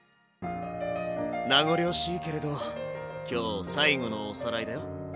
名残惜しいけれど今日最後のおさらいだよ。